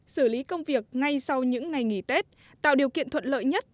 xử lý công việc ngay sau những ngày nghỉ tết tạo điều kiện thuận lợi nhất